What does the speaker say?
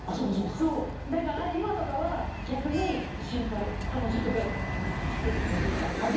そうだから今とかは逆に心配彼女とかつくってほしいなみたいな。